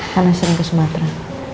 karena sering ke sumatera